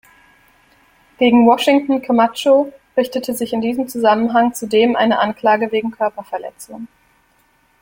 Gegen Washington Camacho richtete sich in diesem Zusammenhang zudem eine Anklage wegen Körperverletzung.